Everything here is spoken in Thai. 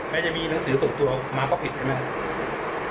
ไม่มีหนังสือส่วนตัวมาก็ผิดใช่ไหมครับ